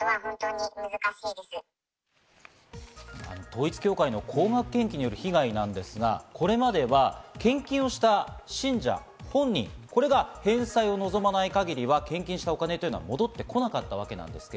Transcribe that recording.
統一教会の高額献金による被害なんですが、これまでは献金をした信者本人、これが返済を望まない限りは献金したお金というのは戻ってこなかったわけなんです。